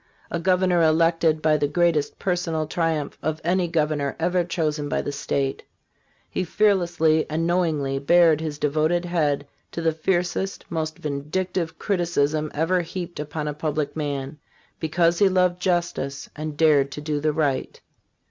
A Governor elected by the great est personal triumph of any Governor ever chosen by the State, he fearlessly and knowingly bared his devoted head to the fiercest, most vindictive criticism ever heaped upon a public man, because he loved justice and dared to do the right.